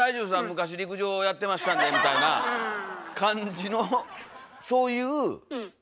昔陸上やってましたんで」みたいな感じのそういう。